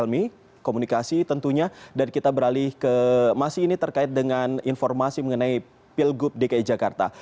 kami komunikasi tentunya dan kita beralih ke masih ini terkait dengan informasi mengenai pilgub dki jakarta